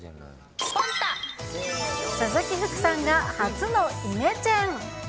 鈴木福さんが初のイメチェン。